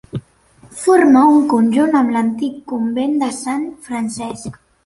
Forma un conjunt amb l'antic Convent de Sant Francesc.